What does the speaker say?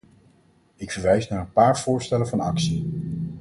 Ik verwijs naar een paar voorstellen van actie.